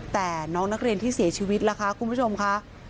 แต่น้องนักเรียนที่เสียชีวิตล่ะคะคุณผู้ชมค่ะ